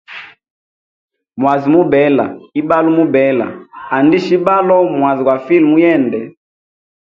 Mwazi mubela, ibalo mubela, andisha ibalo, mwazi gwa file muyende.